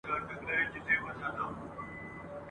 که راځې وروستی دیدن دی لګولي مي ډېوې دي !.